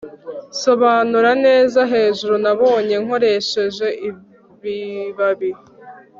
Sobanura neza hejuru Nabonye nkoresheje ibibabi